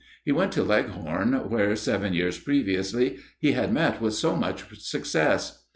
[F] He went to Leghorn, where, seven years previously, he had met with so much success.